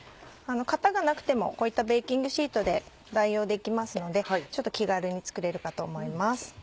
型がなくてもこういったベーキングシートで代用できますので気軽に作れるかと思います。